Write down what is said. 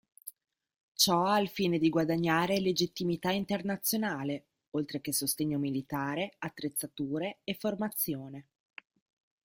Ciò al fine di guadagnare legittimità internazionale, oltre che sostegno militare, attrezzature e formazione.